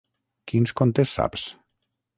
Quins contes saps?